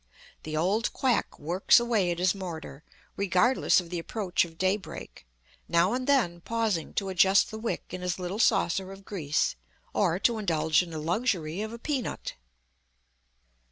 The old quack works away at his mortar, regardless of the approach of daybreak, now and then pausing to adjust the wick in his little saucer of grease, or to indulge in the luxury of a peanut.